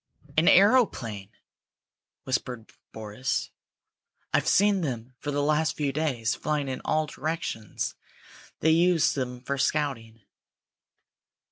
"An aeroplane!" whispered Boris. "I've seen them for the last few days, flying in all directions. They use them for scouting."